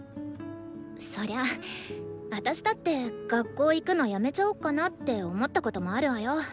そりゃ私だって学校行くのやめちゃおっかなって思ったこともあるわよ。